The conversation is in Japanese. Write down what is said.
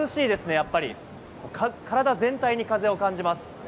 やっぱり、体全体に風を感じます。